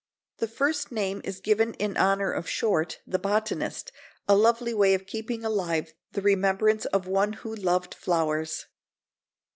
The first name is given in honor of Short, the botanist, a lovely way of keeping alive the remembrance of one who loved flowers.